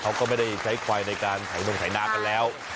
เขาก็ไม่ได้ใช้ควายในการไถ่นมไถ่หน้ากันแล้ว